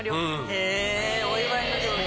へぇお祝いの料理。